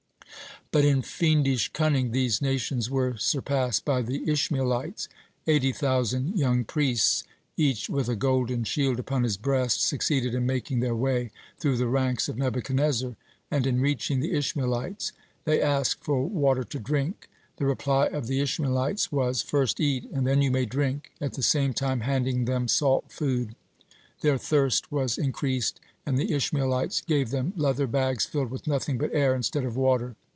(52) But in fiendish cunning these nations were surpassed by the Ishmaelites. Eighty thousand young priests, each with a golden shield upon his breast, succeeded in making their way through the ranks of Nebuchadnezzar and in reaching the Ishmaelites. They asked for water to drink. The reply of the Ishmaelites was: "First eat, and then you may drink," at the same time handing them salt food. Their thirst was increased, and the Ishmaelites gave them leather bags filled with nothing but air instead of water.